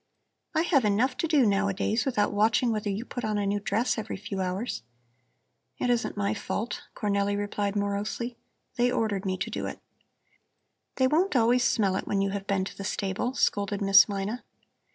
"I have enough to do nowadays without watching whether you put on a new dress every few hours." "It isn't my fault," Cornelli replied morosely. "They ordered me to do it." "They won't always smell it when you have been to the stable," scolded Miss Mina.